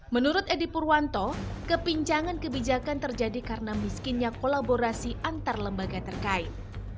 menurut edi purwanto kepinjangan kebijakan terjadi karena miskinnya kolaborasi antar lembaga terkait